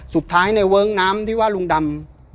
สุดท้ายในเวิ้งน้ำที่ว่าลุงดำ